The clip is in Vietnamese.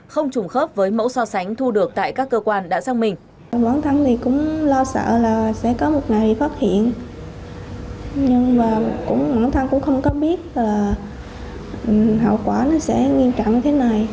không trùng khớp với mẫu so sánh thu được tại các cơ quan đã sang mình